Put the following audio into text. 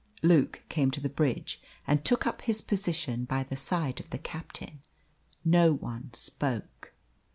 Luke came to the bridge and took up his position by the side of the captain. No one spoke.